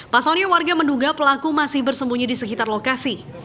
pasalnya warga menduga pelaku masih bersembunyi di sekitar lokasi